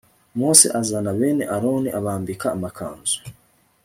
Mose azana bene Aroni abambika amakanzu